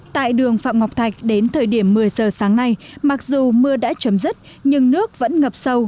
tại đường phạm ngọc thạch đến thời điểm một mươi giờ sáng nay mặc dù mưa đã chấm dứt nhưng nước vẫn ngập sâu